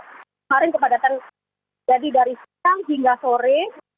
kemarin kepadatan jadi dari siang hingga sore